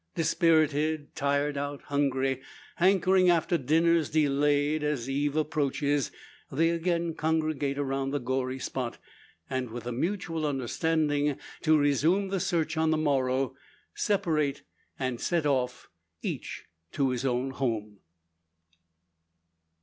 Dispirited, tired out, hungry, hankering after dinners delayed, as eve approaches they again congregate around the gory spot; and, with a mutual understanding to resume search on the morrow, separate, and set off each to his own home.